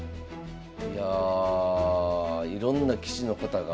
いやいろんな棋士の方が。